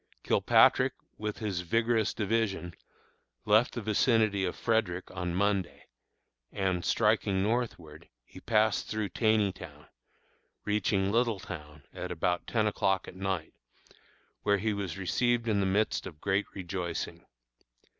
Kilpatrick, with his vigorous division, left the vicinity of Frederick on Monday; and, striking northward, he passed through Taneytown, reaching Littletown about ten o'clock at night, where he was received in the midst of great rejoicing.